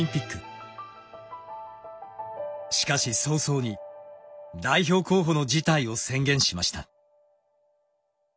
しかし早々に代表候補の辞退を宣言しました。